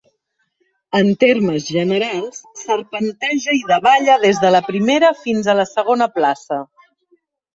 En termes generals, serpenteja i davalla des de la primera fins a la segona plaça.